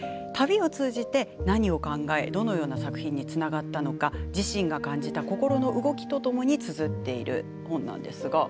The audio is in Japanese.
旅を通じて何を考えどのような作品につながったのか自身が考えた心の動きとともにつづっている本なんです。